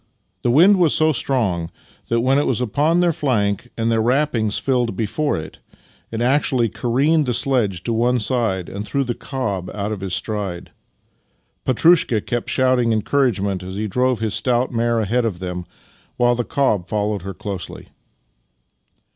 The wind was so strong that when it was upon their flank and their wrappings filled before it, it actually careened the s^.edge to one side and threw the cob out of his stride. Petrushka kept shouting en couragement as he drove his stout mare ahead of them, while the cob followed her closely.